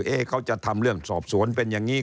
เขาจะทำเรื่องสอบสวนเป็นอย่างนี้